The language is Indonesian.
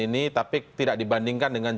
ini tapi tidak dibandingkan dengan